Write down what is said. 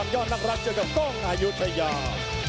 ยอดนักรักเจอกับกล้องอายุทยา